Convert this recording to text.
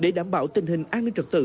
để đảm bảo tình hình an ninh trật tự